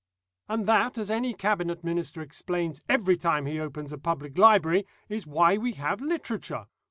"And that, as any Cabinet Minister explains every time he opens a public library, is why we have literature.